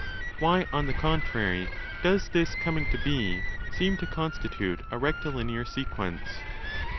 Why, on the contrary, does this coming to be seem to constitute a rectilinear sequence